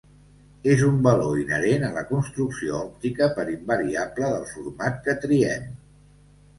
És un valor inherent a la construcció òptica per invariable del format que triem.